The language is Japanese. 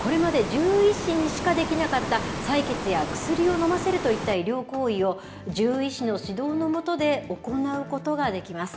これまで獣医師にしかできなかった採血や薬を飲ませるといった医療行為を、獣医師の指導の下で行うことができます。